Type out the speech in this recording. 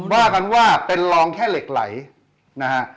ว่ากันว่าเป็นรองแค่เหล็กไหลนะฮะ